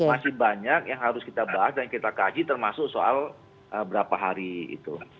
masih banyak yang harus kita bahas dan kita kaji termasuk soal berapa hari itu